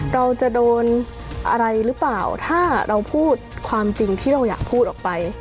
เราจะโดนอะไรหรือเปล่าถ้าเราพูดความจริงที่เราอยากพูดออกไป